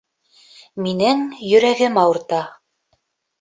Минең йөрәгем ауырта